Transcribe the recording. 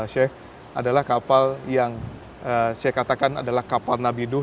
syekh adalah kapal yang syekh katakan adalah kapal nabi nuh